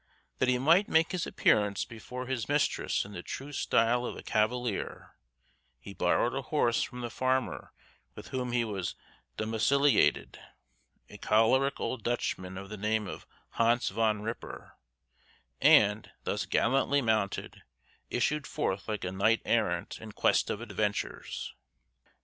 That he might make his appearance before his mistress in the true style of a cavalier, he borrowed a horse from the farmer with whom he was domiciliated, a choleric old Dutchman of the name of Hans Van Ripper, and, thus gallantly mounted, issued forth like a knight errant in quest of adventures.